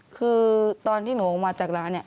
คือตอนที่หนูออกมาจากร้านเนี่ย